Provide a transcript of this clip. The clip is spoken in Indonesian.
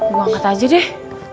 gue angkat aja deh